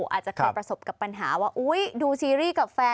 อาจจะเคยประสบกับปัญหาว่าอุ๊ยดูซีรีส์กับแฟน